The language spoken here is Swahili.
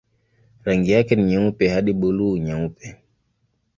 Rangi yake ni nyeupe hadi buluu-nyeupe.